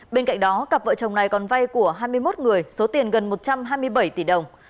bên cạnh đó cặp vợ chồng này còn vay của hai mươi một người số tiền gần một trăm hai mươi bảy tỷ đồng